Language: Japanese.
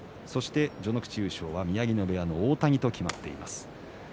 序ノ口優勝は宮城野部屋の大谷と決まっています。